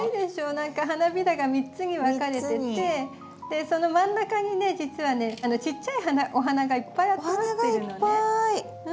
何か花びらが３つに分かれててその真ん中にね実はねちっちゃいお花がいっぱい集まってるのね。